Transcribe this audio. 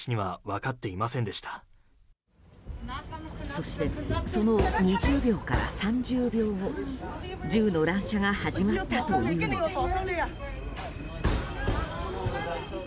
そしてその２０秒から３０秒後銃の乱射が始まったというのです。